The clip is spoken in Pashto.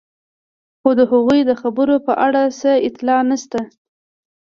خو د هغوی د خبرو په اړه څه اطلاع نشته.